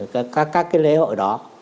các cái lễ hội đó